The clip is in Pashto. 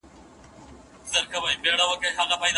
پلار ناپوه نه دی.